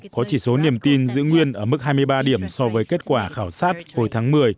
có chỉ số niềm tin giữ nguyên ở mức hai mươi ba điểm so với kết quả khảo sát hồi tháng một mươi